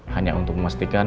hanya untuk memastikan